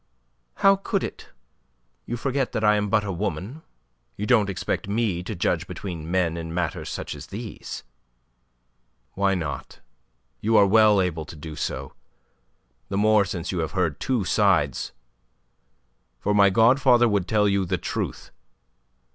"How could it? You forget that I am but a woman. You don't expect me to judge between men in matters such as these?" "Why not? You are well able to do so. The more since you have heard two sides. For my godfather would tell you the truth.